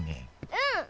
うん！